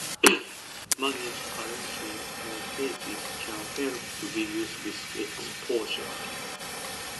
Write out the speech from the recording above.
Managed currency mortgages can help to reduce risk exposure.